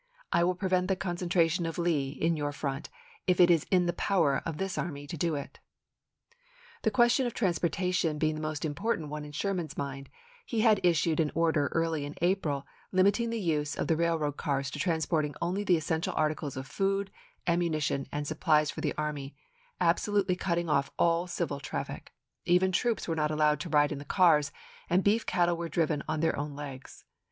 I will prevent the concentration of Lee in your ibid., P. 29. front if it is in the power of this army to do it." The question of transportation being the most important one in Sherman's mind, he had issued an order early in April, limiting the use of the railroad cars to transporting only the essential articles of food, ammunition, and supplies for the army, ab solutely cutting off all civil traffic ; even troops were not allowed to ride in the cars, and beef cattle were driven on their own legs.